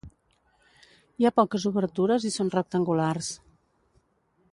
Hi ha poques obertures i són rectangulars.